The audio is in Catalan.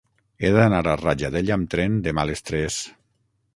He d'anar a Rajadell amb tren demà a les tres.